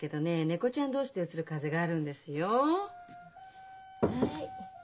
猫ちゃん同士でうつる風邪があるんですよ。